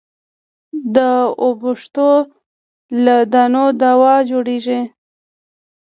د اوبښتو له دانو دوا جوړېږي.